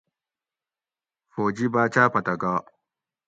فوجی باۤچاۤ پتہ گا